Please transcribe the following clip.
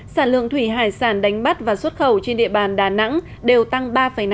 sản lượng thủy hải sản đánh bắt và xuất khẩu trên địa bàn đà nẵng đều tăng ba năm